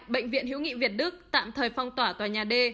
bệnh viện hiếu nghị việt đức tạm thời phong tỏa tòa nhà d